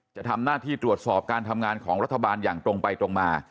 จะทำหน้าที่ตรวจสอบการทำงานของรัฐบาลอย่างตรงไปตรงมา